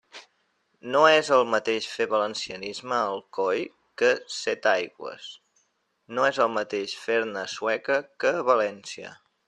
No és el mateix fer valencianisme a Alcoi que a Setaigües, no és el mateix fer-ne a Sueca que a València.